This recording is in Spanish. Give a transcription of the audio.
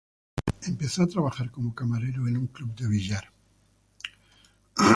Empezó a trabajar como camarero en un club de billar.